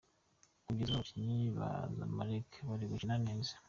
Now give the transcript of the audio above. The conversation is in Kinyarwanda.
Kugeza ubu abakinnyi ba Zamalek bari gukina neza.